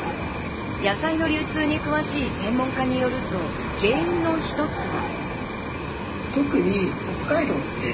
野菜の流通に詳しい専門家によると、原因の一つは。